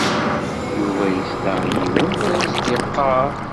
Yuba yesla i yiwen la as-d-yeɣɣar.